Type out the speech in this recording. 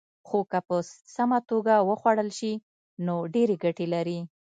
خو که په سمه توګه وخوړل شي، نو ډېرې ګټې لري.